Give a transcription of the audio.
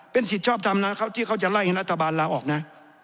สิทธิ์ชอบทำนะที่เขาจะไล่ให้รัฐบาลลาออกนะ